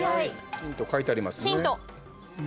ヒント書いてありますね。